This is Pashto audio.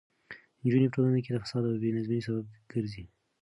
نجونې په ټولنه کې د فساد او بې نظمۍ سبب ګرځي.